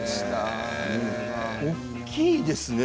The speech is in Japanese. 大きいですね